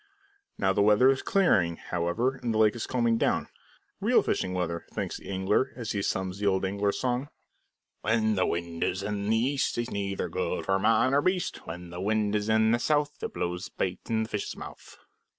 Now the weather is clearing, however, and the lake is calming down real fishing weather, thinks the angler, and he hums the old angler's song: "When the wind is in the east, 'Tis neither good for man nor beast; When the wind is in the south, It blows the bait in the fishes' mouth."